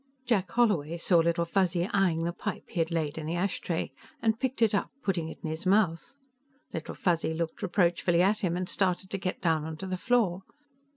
IX Jack Holloway saw Little Fuzzy eying the pipe he had laid in the ashtray, and picked it up, putting it in his mouth. Little Fuzzy looked reproachfully at him and started to get down onto the floor.